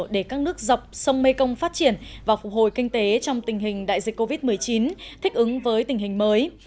để các nước dọc sông mekong phát triển và phục hồi kinh tế trong tình hình đại dịch covid một mươi chín thích ứng với tình hình mới